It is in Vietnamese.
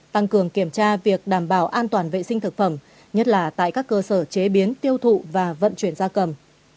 tăng cường kiểm tra việc đảm bảo an toàn vệ sinh thực phẩm nhất là tại các cơ sở chế biến tiêu thụ và vận chuyển gia cầm